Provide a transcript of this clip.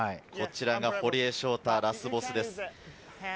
こちらが堀江翔太、ラスボスです。